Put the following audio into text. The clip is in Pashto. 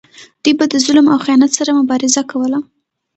دوی به د ظلم او خیانت سره مبارزه کوله.